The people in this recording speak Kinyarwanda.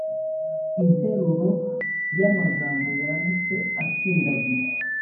Interuro y ‘amagambo yanditse atsindagiye